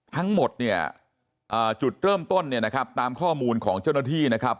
ทั้งหมดเนี่ยจุดเริ่มต้นเนี่ยนะครับตามข้อมูลของเจ้าหน้าที่นะครับ